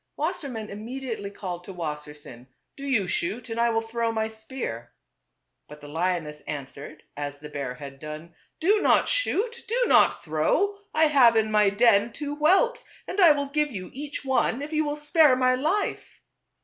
Wassermann immediately called to Wassersein, " Do you shoot, and I will throw my spear." But the lioness answered as the bear had done, " Do not shoot, do not throw ; I have in my den two whelps, and I will give you each one, if you will spare my life."